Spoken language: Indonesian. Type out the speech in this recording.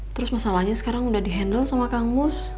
terus masalahnya sekarang udah di handle sama kang mus